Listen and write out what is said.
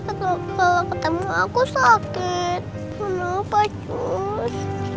ketemu aku sakit kenapa cuy